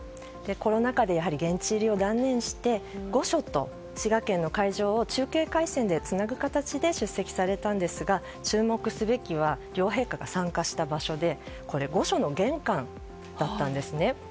コロナ禍でやはり現地入りを断念して御所と滋賀県の会場を中継回線でつなぐ形で出席されたんですが注目すべきは両陛下が参加した場所でこれ、御所の玄関だったんですね。